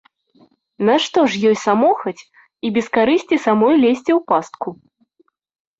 Нашто ж ёй самохаць і без карысці самой лезці ў пастку?